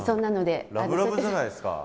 ラブラブじゃないですか。